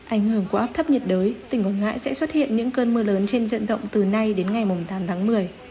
ảnh hưởng của áp thấp nhiệt đới tỉnh quảng ngãi sẽ xuất hiện những cơn mưa lớn trên diện rộng từ nay đến ngày tám tháng một mươi